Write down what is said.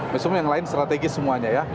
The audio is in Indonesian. mesum yang lain strategis semuanya ya